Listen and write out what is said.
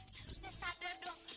seharusnya sadar dong